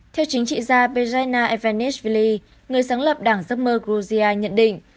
theo chính trị gia bejaina evanichvili người sáng lập đảng giấc mơ georgia nhận định